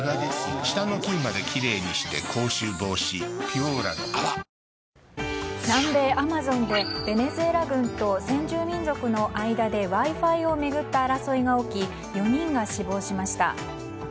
沖縄県の尖閣諸島周辺の領海に南米アマゾンでベネズエラ軍と先住民族の間でＷｉ‐Ｆｉを巡った争いが起き４人が死亡しました。